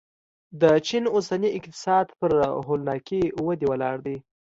د چین اوسنی اقتصاد پر هولناکې ودې ولاړ دی.